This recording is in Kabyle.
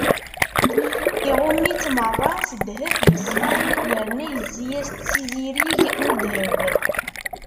Iɣumm-itt meṛṛa s ddheb yeṣfan yerna yezzi-as-d s izirig n ddheb.